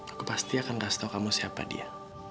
aku pasti akan kasih tahu kamu siapa dia